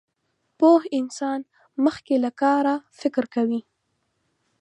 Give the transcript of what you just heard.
پوه انسان مخکې له کاره فکر کوي.